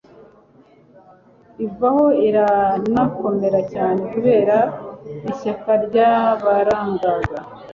ivaho iranakomera cyane kubera ishyaka ryaBArangaga